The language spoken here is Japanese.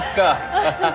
ハハハハ。